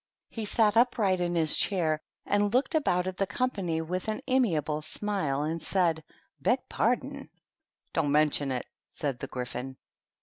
He sat upright in his chair and looked about at the company with an amiable smile and said, —" Beg pardon I" "Don't mention it!" said the Gryphon.